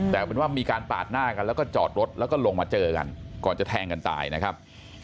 แต่เป็นว่ามีการปาดหน้ากันแล้วก็จอดรถแล้วก็ลงมาเจอกันก่อนจะแทงกันตายนะครับ